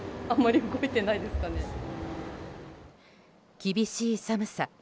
厳しい寒さ。